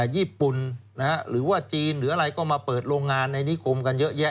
ญี่ปุ่นหรือว่าจีนหรืออะไรก็มาเปิดโรงงานในนิคมกันเยอะแยะ